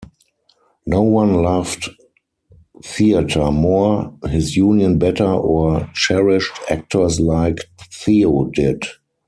No one loved theater more, his union better or cherished actors like Theo did.